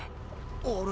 あれ？